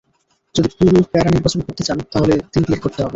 যদি পুরো প্যারা নির্বাচন করতে চান, তাহলে তিন ক্লিক করতে হবে।